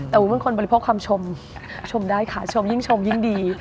แต่วุ้นเป็นคนบริโภคคำชมชมได้ค่ะชมยิ่งชมยิ่งดี